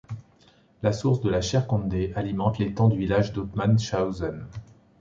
La source de la Scherkonde alimente l'étang du village d'Ottmannshausen.